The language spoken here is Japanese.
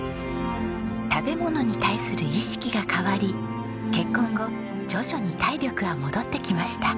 食べ物に対する意識が変わり結婚後徐々に体力は戻ってきました。